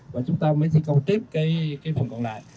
và chúng ta mới thi công tiếp cái phần còn lại